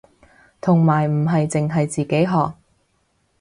同埋唔係淨係自己學